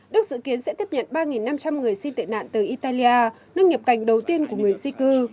đức dự kiến sẽ tiếp nhận ba năm trăm linh người xin tị nạn từ italia nước nhập cảnh đầu tiên của người di cư